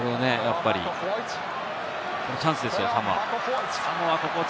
チャンスですよ、サモア。